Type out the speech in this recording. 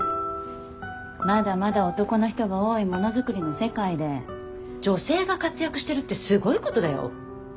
まだまだ男の人が多いものづくりの世界で女性が活躍してるってすごいことだよ。